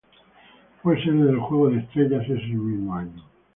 Fue sede del Juego de Estrellas ese mismo año.